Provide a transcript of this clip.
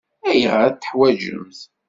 Ayɣer i t-teḥwaǧemt?